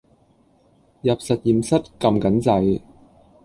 入實驗室㩒緊掣